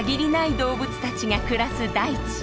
動物たちが暮らす大地。